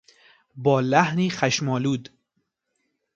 با لحنی خشمآلود